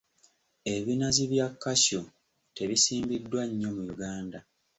Ebinazi bya cashew tebisimbiddwa nnyo mu Uganda.